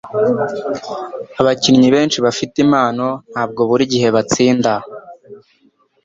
Abakinnyi benshi bafite impano ntabwo buri gihe batsinda.